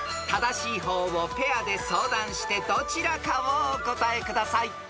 ［正しい方をペアで相談してどちらかをお答えください］